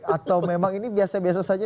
atau memang ini biasa biasa saja